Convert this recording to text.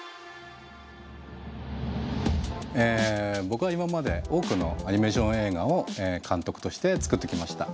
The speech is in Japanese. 僕は今まで多くのアニメーション映画を監督として作ってきました。